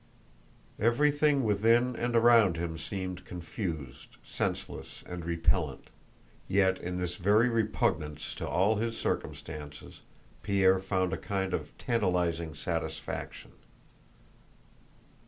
Everything within and around him seemed confused, senseless, and repellent. Yet in this very repugnance to all his circumstances Pierre found a kind of tantalizing satisfaction.